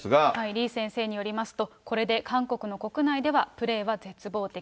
李先生によりますと、これで韓国の国内ではプレーは絶望的。